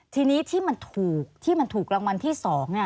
ที่นี้ที่มันถูกรางวัลที่สอง